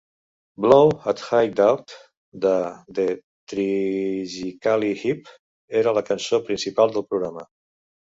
"Blow at High Dough" de The Tragically Hip era la cançó principal del programa.